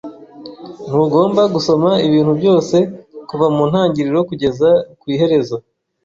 Ntugomba gusoma ibintu byose kuva mu ntangiriro kugeza ku iherezo.